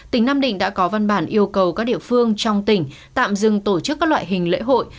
tỉnh nam định đã có văn bản yêu cầu các địa phương trong tỉnh tạm dừng tổ chức các loại hình lễ hội